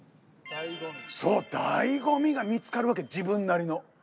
そう醍醐味が見つかるわけ自分なりの。